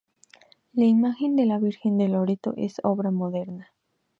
La imagen de la Virgen de Loreto es obra moderna.